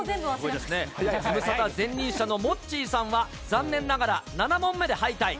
ズムサタ前任者のモッチーさんは、残念ながら、７問目で敗退。